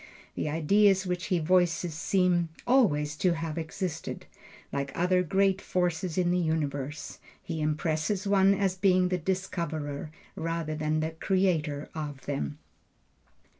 The ideas which he voices seem always to have existed, like other great forces in the universe; he impresses one as being the discoverer, rather than the creator of them.